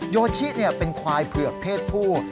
โยชิเป็นควายเผือกเพศผู้